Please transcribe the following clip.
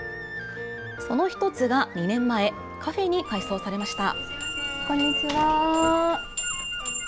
その１つが２年前、カフェに改装されました。